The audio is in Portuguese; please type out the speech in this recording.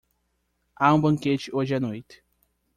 Há um banquete hoje à noite